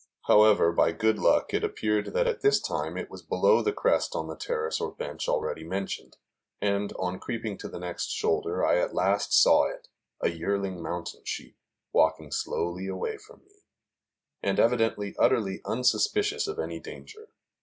However, by good luck, it appeared that at this time it was below the crest on the terrace or bench already mentioned, and, on creeping to the next shoulder, I at last saw it a yearling mountain sheep walking slowly away from me, and evidently utterly unsuspicious of any danger.